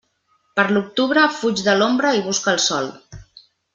Per l'octubre, fuig de l'ombra i busca el sol.